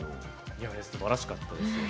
すばらしかったですよね。